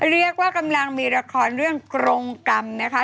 เรียกว่ากำลังมีละครเรื่องกรงกรรมนะคะ